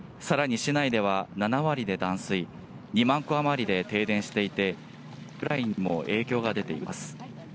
さらに市内では７割で断水、２万戸あまりで停電していてライフラインにも影響が出ています。